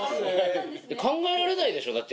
考えられないでしょだって。